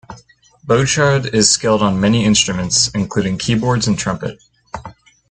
Bouchard is skilled on many instruments including keyboards and trumpet.